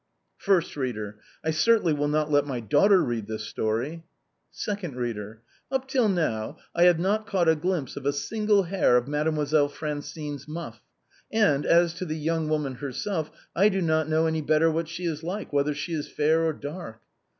First Reader: I certainly will not let my daughter read this story. Second Reader: Up till now I have not caught a glimpse 230 THE BOHEMIANS OF THE LATIN QUARTER. of a single liair of Mademoiselle Francine's muff; and, as to the young woman herself, I do not know any better what she is like, whether she is fair or dark.